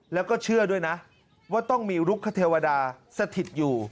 แล้วก็เชื่อด้วยนะว่าต้องมีรุกคเทวดาสถิตอยู่